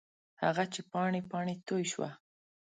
هغه چې پاڼې، پاڼې توی شوه